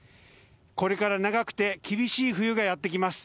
これから長くて厳しい冬がやってきます。